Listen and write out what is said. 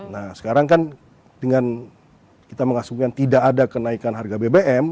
nah sekarang kan dengan kita mengasumsikan tidak ada kenaikan harga bbm